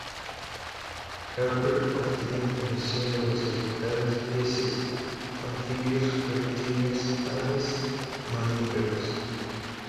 Harper obtiene información de los vegetales, peces, anfibios, reptiles, aves, mamíferos.